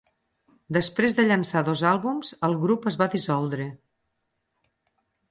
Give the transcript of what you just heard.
Després de llançar dos àlbums, el grup es va dissoldre.